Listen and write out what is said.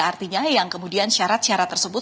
artinya yang kemudian syarat syarat tersebut